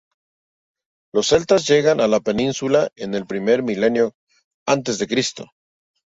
Los Celtas llegan a la península en el primer milenio antes de Cristo.